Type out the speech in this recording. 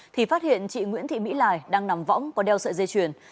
thì phát hiện chị nguyễn thị mỹ lài đang nằm võng có đeo sợi dây chuyền